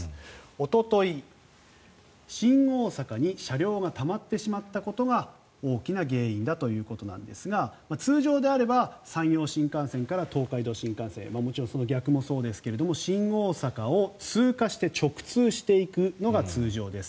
おととい、新大阪に車両がたまってしまったことが大きな原因だということですが通常であれば山陽新幹線から東海道新幹線へもちろんその逆もそうですが新大阪を通過して直通していくのが通常です。